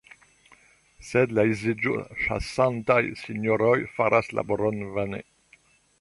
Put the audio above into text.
Sed la edziĝoĉasantaj sinjoroj faras laboron vane!